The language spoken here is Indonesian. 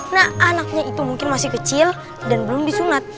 nah anaknya itu mungkin masih kecil dan belum disunat